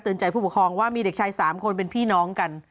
ใจผู้ปกครองว่ามีเด็กชาย๓คนเป็นพี่น้องกัน